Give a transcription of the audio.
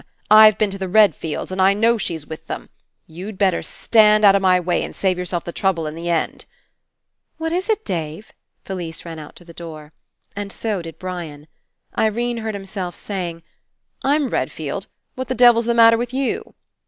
I've been to the Redfields and I know she's with them. You'd better stand out 207 PASSING of my way and save yourself trouble in the end." "What is it, Dave?" Felise ran out to the door. And so did Brian. Irene heard him say ing: "I'm Redfield. What the devil's the matter with you?"